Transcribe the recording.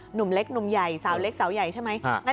หนุ่มเล็กหนุ่มใหญ่สาวเล็กสาวใหญ่ใช่ไหม